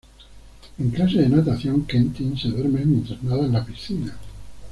En clase de natación Quentin se duerme mientras nada en la piscina.